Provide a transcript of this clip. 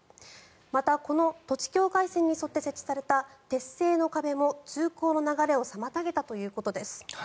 また、この土地境界線に沿って設置された鉄製の壁も通行の流れを妨げたということです。